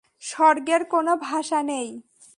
স্বর্গের কোন ভাষা নেই।